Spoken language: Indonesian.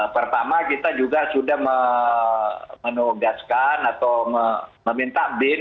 pertama kita juga sudah menugaskan atau meminta bin